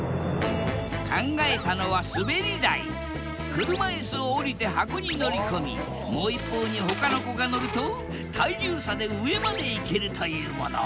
車いすを降りて箱に乗り込みもう一方にほかの子が乗ると体重差で上まで行けるというもの。